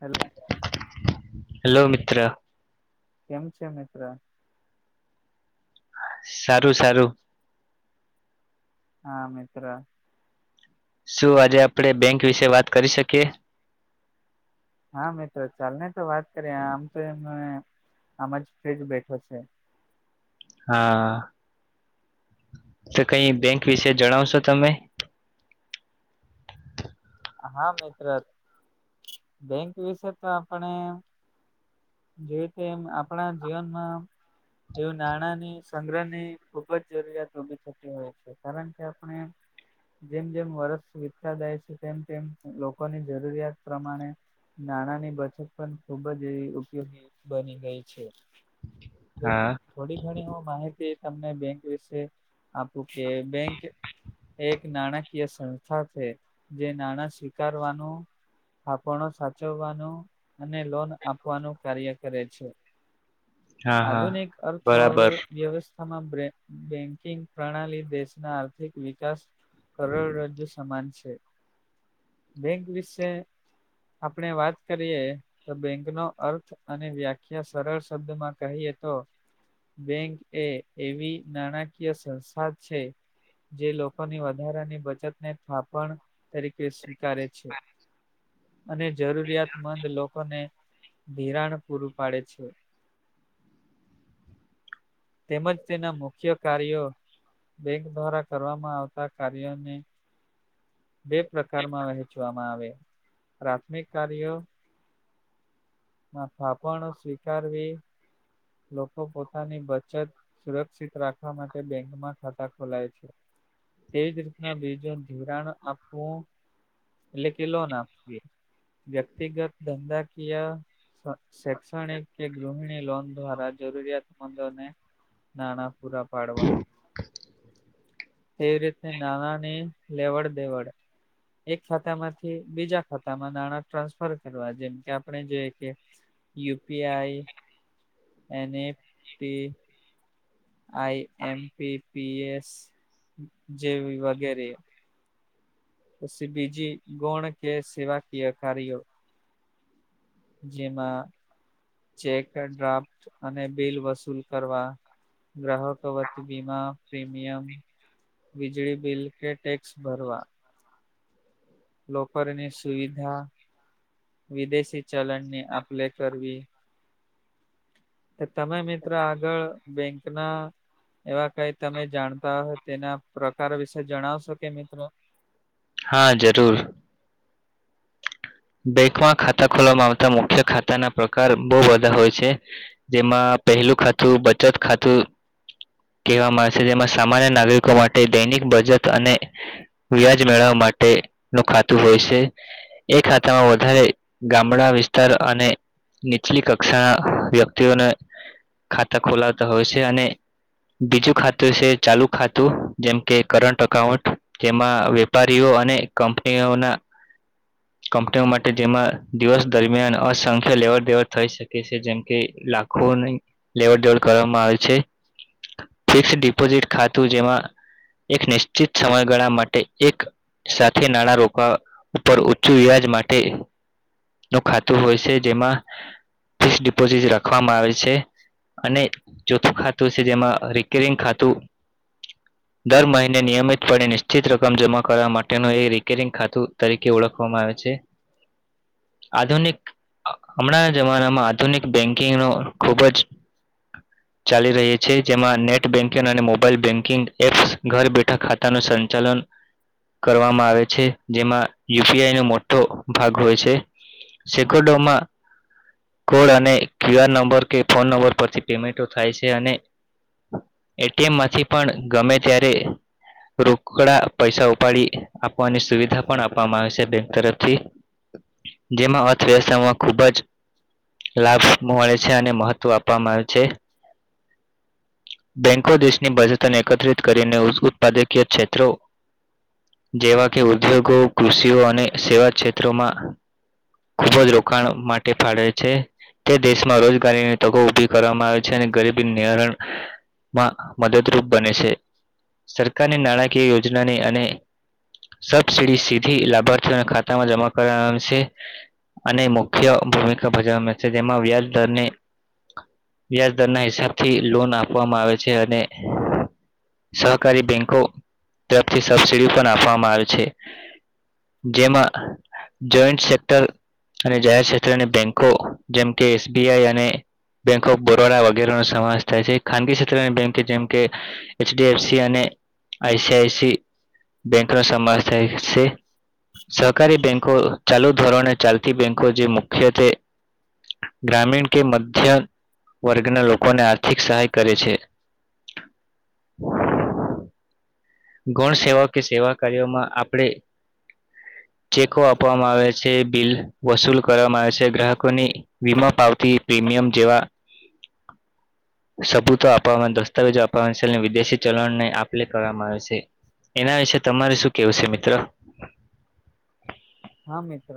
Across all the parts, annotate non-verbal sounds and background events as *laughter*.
Hello hello મિત્ર કેમ છે મિત્ર સારું સારું હા મિત્ર શું આજે આપડે બેંક વિશે વાત શકીએ. હા મિત્રો ચાલ ને તો વાત કરીએ આમ તો એ આમ જ ફ્રીજ બેઠો છે. હા તો કઈ બેંક વિશે જણાવશો તમે હા મિત્ર બેંક વિશે તો આપણે જોઈએ તો એમ આપણા જીવનમાં એવું નાણાંની સંગ્રહ ની ખુબ જ જરૂરિયાત ઉભી થતી હોય છે કારણ કે આપણે જેમ જેમ વર્ષ વિતતા જાય છે તેમ તેમ લોકોની જરૂરિયાત પ્રમાણે નાણાંની બચત પણ ખૂબ જ એવી ઉપયોગી બની ગઈ છે. *inaudible* તો થોડી ઘણી હું માહિતી તમને બેંક વિશે આપું કે બેંક એક નાણાકીય સંસ્થા છે જે નાણાં સ્વીકારવાનું થાપણો સાચવવાનું અને લોન આપવાનું કાર્ય કરે છે. *inaudible* આધુનિક બરાબર અર્થવ્યવસ્થા *unintelligible* બેંકિંગ પ્રણાલી દેશના આર્થિક વિકાસ કરોડરજ્જુ સમાન છે. બેંક વિશે આપણે વાત કરીએ. તો બેંકનો અર્થ અને વ્યાખ્યા સરળ શબ્દ માં કહીએ તો બેંક એ એવી નાણાકીય સંસ્થા છે. જે લોકોની વધારાની બચત ને થાપણ તરીકે સ્વીકારે છે અને જરૂરિયાતમંદ લોકોને ધિરાણ પૂરું પાડે છે. *inaudible* તેમજ તેના મુખ્ય કાર્યો બેંગ દ્વારા કરવામાં આવતા કાર્યને બે પ્રકારમાં વહેંચવામાં આવે પ્રાથમિક કાર્યો આ થાપન સ્વીકારવી *unintelligible* લોકો પોતાનુ શાખાની બચત સુરક્ષિત રાખવા માટે બેંકમાં ખાતા ખોલાયે છે. તેજ રીતના બીજાન ધિરાણ આપવો. એટલે કે લોન આપવી વ્યક્તિગ ધંધાકીય શૈક્ષણિક કે ગૃહિણી લોન દ્વારા જરૂરિયાતમંદોને નાણાં પુરા પાડવા તે રીતે નાણાંની લેવડ દેવડ એક ખાતામાંથી બીજા ખાતામાં નાણાં ટ્રાન્સફર કરવા જેમ કે આપણે જેએ કે *inaudible* યુપીઆઈ એનએકટી આઈ એમ પી પી એસ જેવી વગેરે. પસી બીજી ગૌણ કે સેવાકીય કાર્યો જેમાં ચેક ડ્રાફ્ટ અને બીલ વસૂલ કરવા. ગ્રાહકો વતી વીમા પ્રીમિયમ વીજળી બિલ કે ટેક્સ ભરવા લોકરની સુવિધા વિદેશી ચલણની આપ લે કરવી. કે તમે મિત્રો આગળ બેંકના એવા કઈ તમે જાણતા હો તેના પ્રકારો વિશે જણાવશો કે મિત્રો હા જરૂર. બેંકમાં ખાતા ખોલવામાં આવતા મુખ્ય ખાતાના પ્રકાર બહુ બધા હોય છે. જેમાં પહેલું ખાતું બચત ખાતું કેવામાં આવે છે જેમા સામાન્ય નાગરિકો માટે દૈનિક બચત અને વ્યાજ મેળવવા માટેનું ખાતું હોય સે એ ખાતું કા વધારે ગામડા વિસ્તાર અને નીચલી કક્ષા વ્યક્તિઓને ખાતા ખોલાવતા હોય છે અને બીજું ખાતું છે કે ચાલુ ખાતું જેમ કે કરંટ અકાઉન્ટ જેમાં વેપારીયો અને કંપનીઓના કંપનીઓ માટે જેમાં દિવસ દરમિયાન અસંખ્ય લેવડ દેવડ થઈ શકે શે જેમ કે લાખ ખો ની લેવડ દેવડ કરવામાં આવે છે. ફિક્સ ડિપોઝિટ ખાતું જેમાં એક નિશ્ચિત સમયગાળા માટે એક સાથે નાણાં રોકવા ઉપર ઓછું વ્યાજ માટેનું ખાતુ હોય છે જેમાં ફિસ ડિપોઝિટ રાખવામાં આવે છે. અને ચોથું ખાતું સે જેમાં રીકેરિંગ ખાતું દર મહિને નિયમિતપણેે નિશ્ચિત રકમ જમા કરવા માટેનું એ રીકેરિંગ ખાતું તરીકે ઓળખ ખ વામા આવે છે આધુનિક હમણાં જ અમારામાં આધુનિક બેંકિંગનો ખુબ જ ચાલી રહી છે જેમાં નેટ બેન્કિંગ અને મોબાઈલ બેન્કિંગ એપ્સ ઘર બેઠા ખાતાનું સંચાલન કરવામાં આવે છે જેમાં યુફીઆઈનો મોટો ભાગ હોય છે સેકંડોમાં કોડ અને ક્યુઆર નંબર કે ફોન નંબર પરથી પેમેન્ટો થાય છે અને એટીએમમાંથી પણ ગમે ત્યારે રોકડા પૈસા ઉપાડી આપવાની સુવિધા પણ આપ વામા આવે છે બેંક તરફથી જેમાં અર્થવ્યવસ્થા ખુબ જ લાભસ મળે છે અને મહત્વ આપવામાં આવે છે. બેન્કો દેશની બચત અને એકત્રિત કરીને ઉત્પાદકીય ક્ષેત્રો જેવા કે ઉદ્યોગો કૃષિઓ અને સેવા ક્ષેત્રોમાં ખુબ જ રોકાણ માટે ફાળવે છે. તે દેશમાં રોજગારીની તકો ઉભી કરવામાં આવે છે અને ગરીબી નિવારણ માં મદદરૂપ બને છે સરકારની નાણાકીય યોજનાની અને સબસીડી સીધી લાભાર્થીઓના ખાતામાં જમા કરવામાં આવે છે. અને મુખ્ય ભૂમિકા ભજવવામાં છે, જેમાં વ્યાજ દર ને વ્યાજદર ના હિસાબ થી લોન આપવામાં આવે છે, અને સહકારી બેંકો તરફથી સબસીડી પણ આપવામાં આવે છે. જેમાં જોઈન્ટ સેક્ટર અને જાહેર ક્ષેત્રની બેન્કો, જેમ કે એસ બી આઈ અને બેંક ઓફ બરોડા વગેરેનો સમાવેશ થાય છે, ખાનગી ક્ષેત્રની બેંક જેમ કે એચ. ડી. એફ. સી અને આઈસી આઈસી બેંકનો સમાવેશ થાય છે. સહકારી બેન્કો ચાલુ ધોરણે ચાલતી બેન્કો જે મુખ્યત્વે ગ્રામીણ કે, મધ્યમ વર્ગના લોકોને આર્થિક સહાય કરે છે. ગુણ સેવા કે, સેવા કાર્યોમાં આપણે ચેકો આપવામાં આવે છે. બિલ વસૂલ કરવામાં આવે છે, ગ્રાહકોની વીમા પાવતી પ્રીમિયમ જેવા સબૂતો આપવામાં, દસ્તાવેજો આપવાવામાં છે, વિદેશી ચલણને આપ-લે કરવામાં આવે છે. એના વિશે તમારે શું કેવું છે મિત્ર? હા મિત્ર,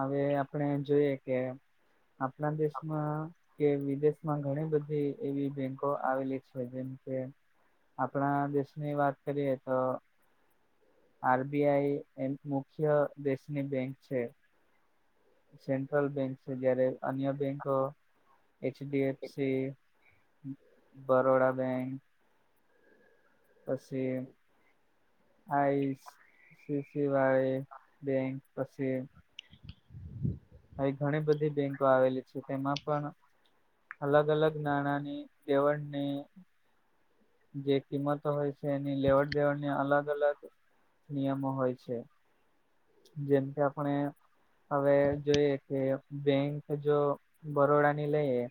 અવે આપણે જોઈએ કે આપના દેશમાં. કે વિદેશમાં ઘણી-બધી એવી બેંકો આવેલી છે, જેમ કે આપણા દેશની વાત કરીએ તો. આર બી આઈ એમ મુખ્ય દેશની બેંક છે. સેન્ટ્રલ બેંક છે, જયારે અન્ય બેંકો H D F C Baroda bank. પસી. આઈ સી સી વાળી બેંક પસી. *unintelligible* આવી ઘણી બધી બેંકો આવેલી છે, તેમાં પણ અલગ-અલગ નાણાંની દેવળની જે કિંમતો હોય છે, એની લેવડ-દેવડની અલગ-અલગ નિયમો હોય છે. જેમ કે આપણે હવે જોઈએ કે, બેંક જો બરોડા ની લઈએ.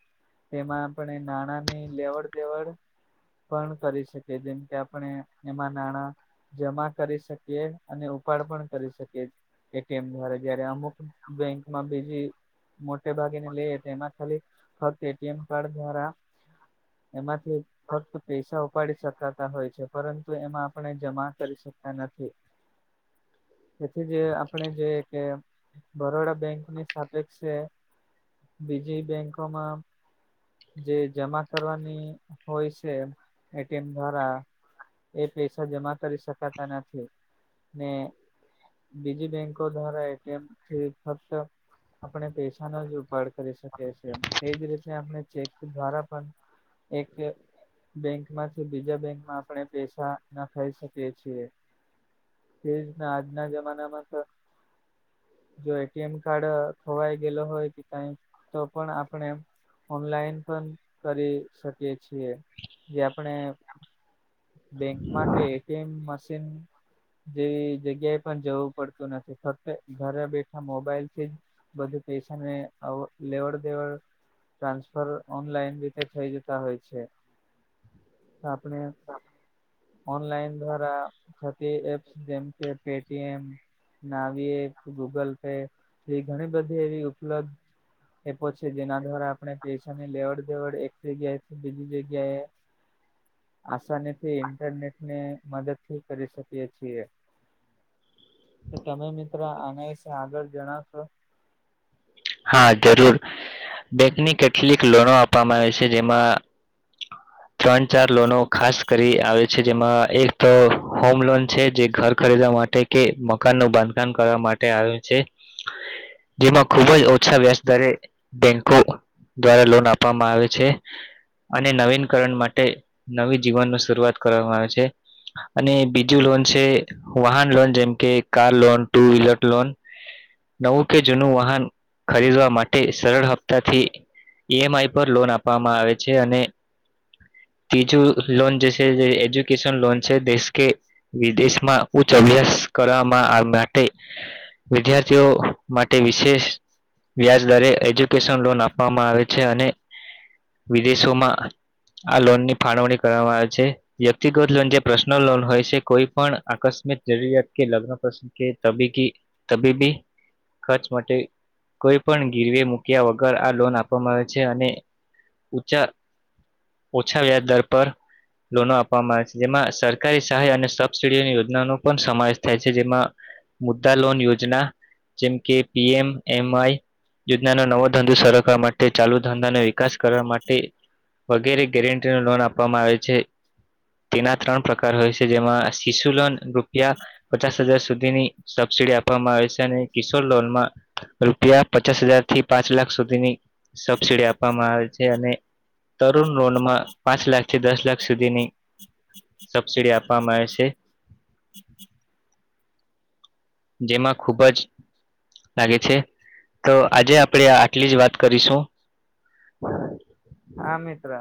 તેમાં આપણે નાણાંની લેવડ-દેવડ પણ કરી શકી, જેમ કે આપણે એમાં નાણાં જમા કરી શકીએ, અને ઉપાડ પણ કરી શકીએ. એ. ટી. એમ દ્વારા જયારે અમુક બેંકમાં બીજી મોટે ભાગે ની લઈ તો, એમાં ખાલી ફક્ત એટીએમ કાર્ડ દ્વારા એમાંથી. ફક્ત પૈસા ઉપાડી શકાતા હોય છે, પરંતુ એમાં આપણે જમા કરી શકતા નથી. તેથી જે આપણે જોઈએ કે, બરોડા બેંકની સાપેક્ષે બીજી બેંકો માં જે જમા કરવાની હોય છે, એ. ટી. એમ દ્વારા. એ પૈસા જમા કરી શકાતા નથી ને. બીજી બેંકો દ્વારા એ. ટી. એમ થી ફક્ત આપણે પૈસાનો જ ઉપાડ કરી શકીએ છીએ, એજ રીતે આપણે ચેક દ્વારા પણ એક. બેંક માંથી બીજા બેંક માં આપણે પૈસા ના ખાઈ શકીએ છીએ. તે જ આજના જમાનામાં પણ જો એટીએમ કાર્ડ ખોવાઈ ગયેલો હોય કે, કઈ તો પણ આપણે ઓનલાઈન પણ કરી શકીએ છીએ, જે આપણે બેંકમાં કે એટીએમ મશીન જેવી જગ્યાએ પણ જવું પડતું નથી, ફક્ત ઘરે બેઠા મોબાઈલથી જ બધું પૈસાને લેવડ દેવડ ટ્રાન્સફર ઓનલાઈન રીતે થઈ જતા હોય છે. *unintelligible* તો આપણે ઓનલાઈન દ્વારા થતી એપ્સ જેમ કે પે. ટી. એમ. નાવી એ ગૂગલ પે એવી ઘણી-બધી એવી ઉપલબ્ધ એ પછી જેના દ્વારા આપણે પૈસાની લેવડ-દેવડ એક જગ્યાએ બીજી જગ્યાએ *unintelligible* આસાની થી ઇન્ટરનેટ ને મદદ થી કરી શકીએ છીએ. તો તમે મિત્રો આના વિશે આગળ જણાવશો? હા જરૂર, બેંકની કેટલીક લોનો આપવામાં આવે છે, જેમાં ત્રણ-ચાર લોનો ખાસ કરી આવે છે, જેમાં એક હોમ લોન છે, જે ઘર ખરીદવા માટે કે મકાન નું બાંધકામ કરવા માટે આવે છે. જેમાં ખુબ જ ઓછા વ્યાજદરે બેંકો દ્વારા લોન આપવામાં આવે છે, અને નવીન કરણ માટે નવી જીવન ન શરૂઆત કરવામાં આવે છે. અને બીજું લોન છે, વાહન લોન, જેમ કે car loan two wheeler loan. નવું કે, જૂનું વાહન ખરીદવા માટે સરળ હપ્તાથી ઈ. એમ. આઈ પર લોન આપવામાં આવે છે, અને તીજું લોન જે છે, એજ્યુકેશન લોન છે, દેશ કે વિદેશમાં ઉચ્ચ અભ્યાસ કરવામાં માટે વિદ્યાર્થીઓ માટે વિશેષ વ્યાજદરે એજ્યુકેશન લોન આપવામાં આવે છે, અને વિદેશોમાં આ લોનની ફાળવણી કરવામાં આવે છે. વ્યક્તિગત લોન જે પર્સનલ લોન હોય છે, કોઈ પણ આકસ્મિક જરૂરિયાત કે, લગ્ન પ્રસંગ કે તબીકી તબીબી ખર્ચ માટે કોઈ પણ ગીરવે મૂક્યા, વગર આ લોન આપવામાં આવે છે, અને ઊંચા ઓછા વ્યાજ દર પર લોનો આપવામાં આવે છે, જેમાં સરકારી સહાય અને સબસિડીની યોજનાનો પણ સમાવેશ થાય છે, જેમાં મુદ્દા લોન યોજના, જેમ કે પીએમ એમઆઈ યોજનાનો નવો ધંધો સરખવા માટે ચાલુ ધંધાનો વિકાસ કરવા માટે. વગેરે ગેરંટી લોન આપવામાં આવે છે. તેના ત્રણ પ્રકાર હોય છે, જેમાં શિશુ લોન રૂપિયા પચાસ હજાર સુધીની. સબસિડી આપવામાં આવે છે, અને કિશોર લોન માં રૂપિયા પચાસ હજાર થી પાંચ લાખ સુધીની સબસીડી આપવામાં આવે છે, અને તરુણ લોનમાં પાંચ લાખથી, દસ લાખ સુધીની સબસિડી આપવામાં આવે છે. ટિક-ટિક જેમાં ખૂબ જ લાગે છે, તો આજે આપણેે આટલી જ વાત કરીશું. *unintelligible* હા, મિત્ર.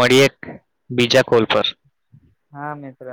મળીએ, બીજા કોલ પર. હા મિત્ર.